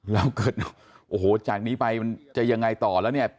แล้วเกิดโอ้โหจากนี้ไปมันจะยังไงต่อแล้วเนี่ย